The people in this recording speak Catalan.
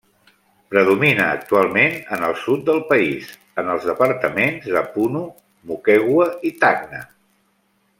Predomina actualment en el sud del país, en els departaments de Puno, Moquegua i Tacna.